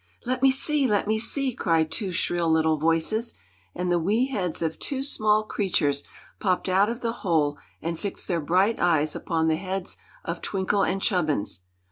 "Let me see! Let me see!" cried two shrill little voices, and the wee heads of two small creatures popped out of the hole and fixed their bright eyes upon the heads of Twinkle and Chubbins.